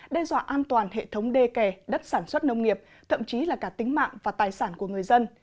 đe dọa an toàn hệ thống đê kè đất sản xuất nông nghiệp thậm chí là cả tính mạng và tài sản của người dân